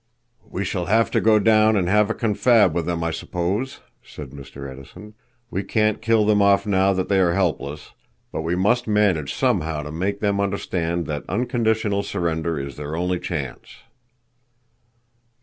"We shall have to go down and have a confab with them, I suppose," said Mr. Edison. "We can't kill them off now that they are helpless, but we must manage somehow to make them understand that unconditional surrender is their only chance."